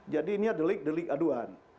jadi ini adalah delik delik aduan